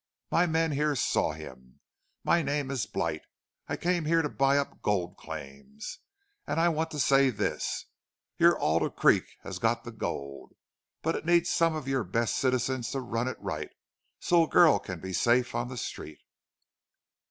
My men here saw him. My name's Blight. I came here to buy up gold claims. And I want to say this: Your Alder Creek has got the gold. But it needs some of your best citizens to run it right, so a girl can be safe on the street.'"